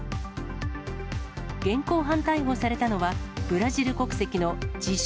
現行犯逮捕されたのは、ブラジル国籍の自称